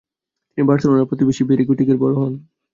তিনি বার্সেলোনার প্রতিবেশী ব্যারি গোটিক-এর বড় হন।